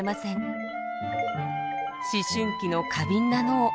思春期の過敏な脳